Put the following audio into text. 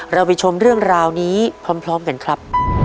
เราไปชมเรื่องราวนี้พร้อมกันครับ